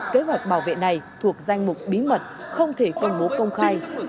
kế hoạch bảo vệ này thuộc danh mục bí mật không thể công bố công khai